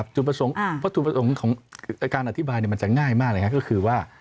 จุดประสงค์ของการอธิบายมันจะง่ายมากเลยครับก็คือว่า